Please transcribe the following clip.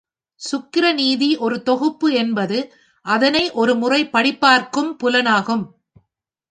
சுக்கிரநீதி ஒரு தொகுப்பு என்பது அதனை ஒரு முறை படிப்பார்க்கும் புலனாகும்.